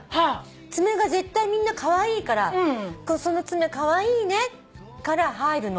爪が絶対みんなカワイイから「その爪カワイイね」から入るの。